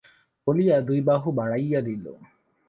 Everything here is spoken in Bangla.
বলিয়া দুই বাহু বাড়াইয়া দিল।